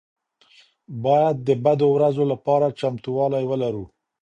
باید د بدو ورځو لپاره چمتووالی ولرو.